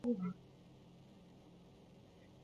酋长院是来自整个库克群岛所有至高酋长的组成。